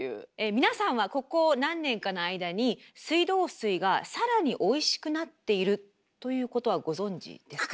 皆さんはここ何年かの間に水道水が更においしくなっているということはご存じですか？